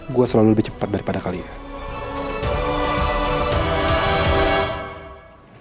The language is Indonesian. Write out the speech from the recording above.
gue selalu lebih cepat daripada kalian